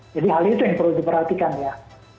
jadi hal itu yang perlu diperhatikan ya